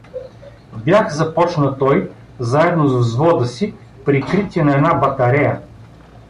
— Бях — започна той — заедно с взвода си прикритие на една батарея.